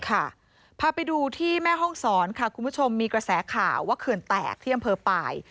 พาไปดูที่แม่ห้องศรค่ะคุณผู้ชมมีกระแสข่าวว่าเขื่อนแตกที่อำเภอป่าย